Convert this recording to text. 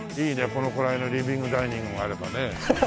このくらいのリビング・ダイニングがあればね。